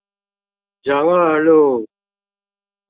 仁二路